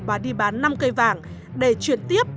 bà đi bán năm cây vàng để chuyển tiếp